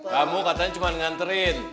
kamu katanya cuma nganterin